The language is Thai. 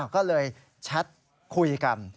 ก็เลยแชทคุยกัน